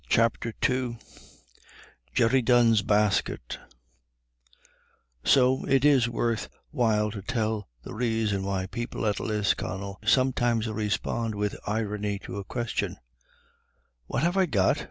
CHAPTER II JERRY DUNNE'S BASKET So it is worth while to tell the reason why people at Lisconnel sometimes respond with irony to a question: "What have I got?